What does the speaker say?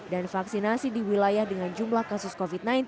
dan vaksinasi di wilayah dengan jumlah kasus covid sembilan belas